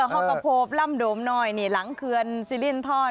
ห้องกะโพปลำโดมน้อยหลังเขือนซิรินทร